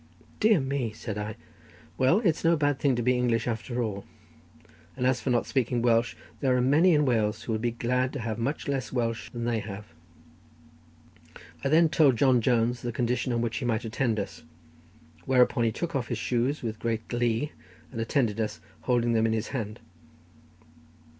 "Dear me," said I. "Well, it's no bad thing to be English after all; and as for not speaking Welsh, there are many in Wales who would be glad to have much less Welsh than they have." I then told John Jones the condition on which he might attend us, whereupon he took off his shoes with great glee and attended us, holding them in his hand.